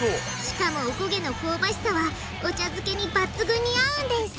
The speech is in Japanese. しかもおこげの香ばしさはお茶漬けに抜群に合うんです！